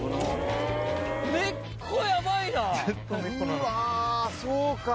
うわそうか